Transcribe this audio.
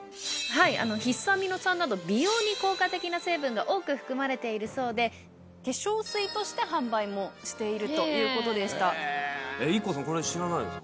必須アミノ酸など美容に効果的な成分が多く含まれているそうで化粧水として販売もしているということでした。